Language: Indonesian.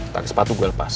tagi sepatu gue lepas